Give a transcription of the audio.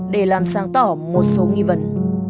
để làm sáng tỏ một số nghi vấn